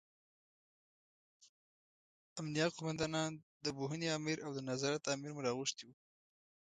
امینه قوماندان، د پوهنې امر او د نظارت امر مو راغوښتي وو.